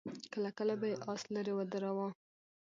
کله کله به يې آس ليرې ودراوه.